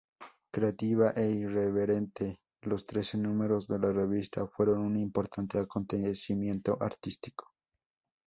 Creativa e irreverente, los trece números de la revista fueron un importante acontecimiento artístico.